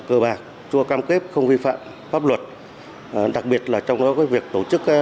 cơ bạc cho cam kết không vi phạm pháp luật đặc biệt là trong đó có việc tổ chức